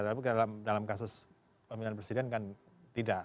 tapi dalam kasus pemilihan presiden kan tidak